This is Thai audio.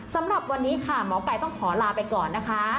สำหรับวันนี้ค่ะหมอไก่ต้องขอลาไปก่อนนะคะ